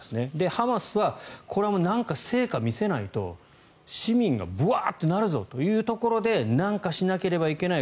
ハマスはこれは何か成果見せないと市民がブワッとなるぞというところで何かしなければいけない